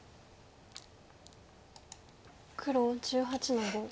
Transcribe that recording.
黒１８の五。